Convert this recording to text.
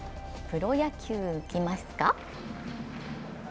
プロ野球いきますか。